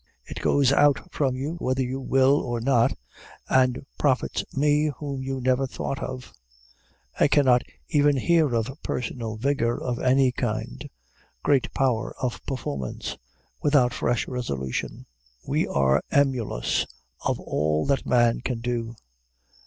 It goes out from you, whether you will or not, and profits me whom you never thought of. I cannot even hear of personal vigor of any kind, great power of performance, without fresh resolution. We are emulous of all that man can do.